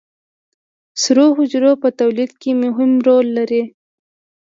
سرو حجرو په تولید کې مهم رول لري